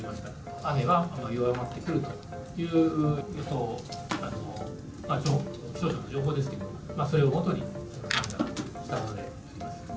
雨は弱まってくるという予想、気象庁の情報ですけども、それをもとに判断したものであります。